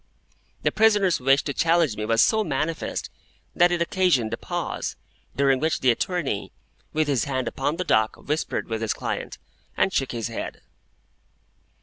The prisoner's wish to challenge me was so manifest, that it occasioned a pause, during which the attorney, with his hand upon the dock, whispered with his client, and shook his head.